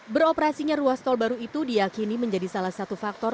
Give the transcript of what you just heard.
beroperasinya ruas tol baru itu diakini menjadi salah satu faktor